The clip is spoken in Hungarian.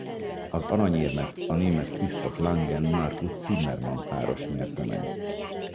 Az aranyérmet a német Christoph Langen–Markus Zimmermann-páros nyerte meg.